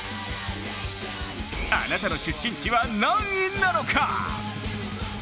あなたの出身地は何位なのか？